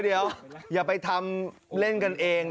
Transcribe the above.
เดี๋ยวอย่าไปทำเล่นกันเองนะ